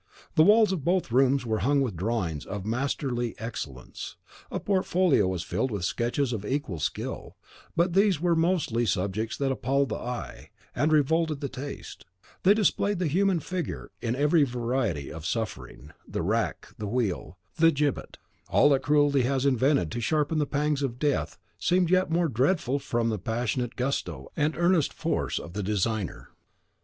The walls of both rooms were hung with drawings of masterly excellence. A portfolio was filled with sketches of equal skill, but these last were mostly subjects that appalled the eye and revolted the taste: they displayed the human figure in every variety of suffering, the rack, the wheel, the gibbet; all that cruelty has invented to sharpen the pangs of death seemed yet more dreadful from the passionate gusto and earnest force of the designer.